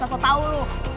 sosok tau lu